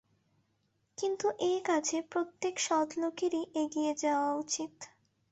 কিন্তু এ কাজে প্রত্যেক সৎলোকেরই এগিয়ে যাওয়া উচিত।